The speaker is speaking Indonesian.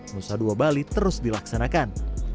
musa ii bali terus dilaksanakan